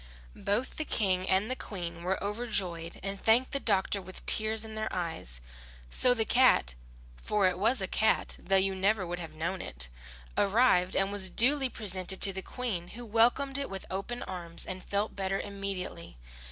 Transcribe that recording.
Both the King and the Queen were overjoyed and thanked the doctor with tears in their eyes. So the cat for it was a cat though you never would have known it arrived and was duly presented to the Queen, who welcomed it with open arms and felt better immediately.